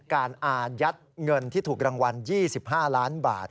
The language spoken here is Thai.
อายัดเงินที่ถูกรางวัล๒๕ล้านบาท